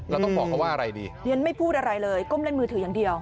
แล้วต้องบอกเขาว่าอะไรดีเรียนไม่พูดอะไรเลยก้มเล่นมือถืออย่างเดียว